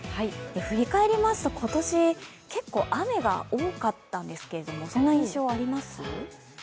振り返りますと今年、結構雨が多かったんですけれども、そんな印象、あります？